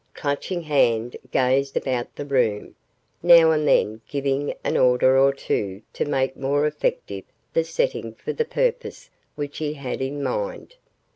Clutching Hand gazed about the room, now and then giving an order or two to make more effective the setting for the purpose which he had in mind.